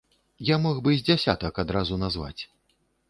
Я мог бы з дзясятак адразу назваць.